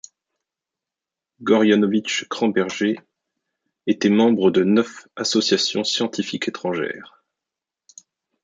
Gorjanović-Kramberger était membre de neuf associations scientifiques étrangères.